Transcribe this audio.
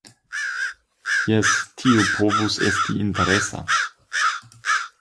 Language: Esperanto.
Jes, tio povus esti interesa.